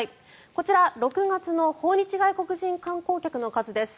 こちら、６月の訪日外国人観光客の数です。